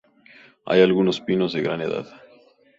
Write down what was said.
Hay algunos pinos de gran edad.